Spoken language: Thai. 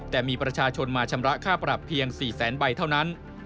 แต่มีประชาชนมาชำระค่าปรับเพียง๔แสนใบเท่านั้น